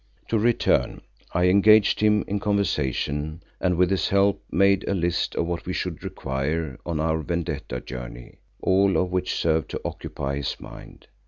To return; I engaged him in conversation and with his help made a list of what we should require on our vendetta journey, all of which served to occupy his mind.